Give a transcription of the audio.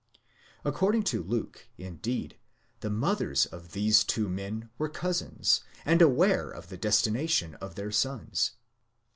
According to Luke, indeed, the mothers of these two men were cousins, and aware of the destina tion of their sons.